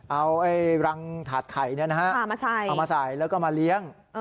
เอารังถาดไข่เอามาใส่แล้วก็มาเลี้ยง